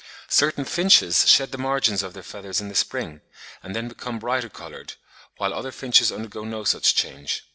Certain finches shed the margins of their feathers in the spring, and then become brighter coloured, while other finches undergo no such change.